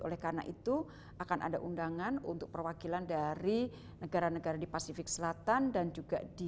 oleh karena itu akan ada undangan untuk perwakilan dari negara negara di pasifik selatan dan juga di